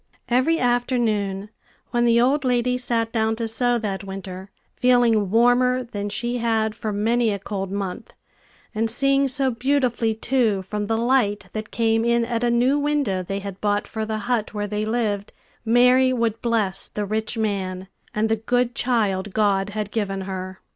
Every afternoon, when the old lady sat down to sew that winter, feeling warmer than she had for many a cold month, and seeing so beautifully, too, from the light that came in at a new window they had bought for the hut where they lived, Mary would bless the rich man, and the good child God had given her.